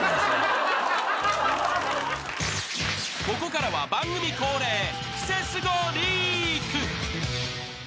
［ここからは番組恒例］